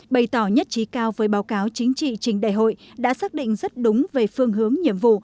bày tỏ nhất trí cao với báo cáo chính trị trình đại hội đã xác định rất đúng về phương hướng nhiệm vụ